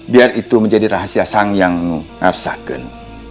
biar itu menjadi rahasia sang yangmu narsaken